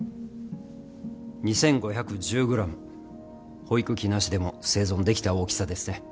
２，５１０ｇ保育器なしでも生存できた大きさですね。